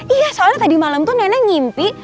iya soalnya tadi malam tuh nenek ngimpi